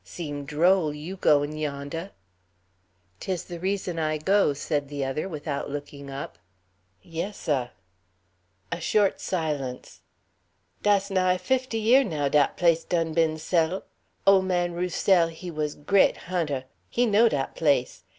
Seem droll you goin' yondeh." Acadians. "'Tis the reason I go," said the other, without looking up. "Yes, seh." A short silence. "Dass nigh fifty year', now, dat place done been settle'. Ole 'Mian Roussel he was gret hunter. He know dat place.